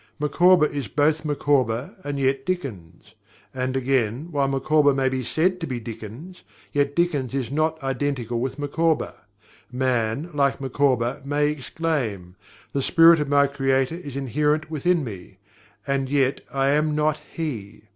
Micawber is both Micawber, and yet Dickens. And, again, while Micawber may be said to be Dickens, yet Dickens is not identical with Micawber. Man, like Micawber, may exclaim: "The Spirit of my Creator is inherent within me and yet I am not HE!"